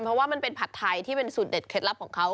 เพราะว่ามันเป็นผัดไทยที่เป็นสูตรเด็ดเคล็ดลับของเขา